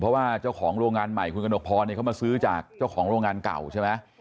เพราะว่าเจ้าของโรงงานใหม่คุณกระหนกพรเขามาซื้อจากเจ้าของโรงงานเก่าใช่ไหม